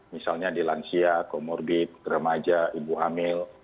misalnya di lansia comorbid remaja ibu hamil